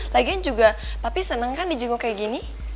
lagian juga tapi senang kan di jenguk kayak gini